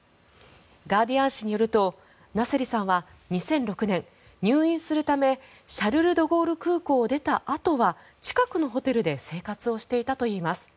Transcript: ガーディアン紙によるとナセリさんは２００６年入院するためシャルル・ドゴール空港を出たあとは近くのホテルで生活をしていたといいます。